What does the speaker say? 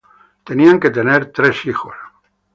Tenían que tener tres hijos.